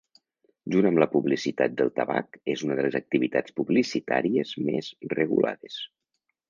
Junt amb la publicitat del tabac és una de les activitats publicitàries més regulades.